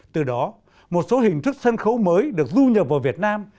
từ đó một số hình thức sân khấu mới được du nhập vào việt nam